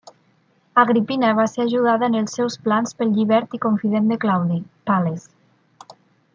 Agripina va ser ajudada en els seus plans pel llibert i confident de Claudi, Pal·les.